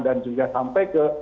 dan juga sampai ke